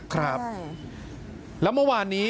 ครับแล้วเมื่อวานนี้